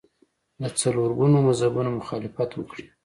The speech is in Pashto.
له څلور ګونو مذهبونو مخالفت وکړي